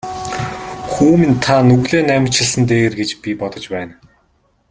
Хүү минь та нүглээ наманчилсан нь дээр гэж би бодож байна.